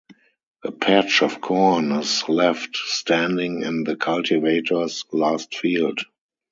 A patch of corn is left standing in the cultivator's last field.